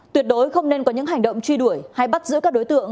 tuyệt đối không nên có những hành động truy đuổi hay bắt giữ các đối tượng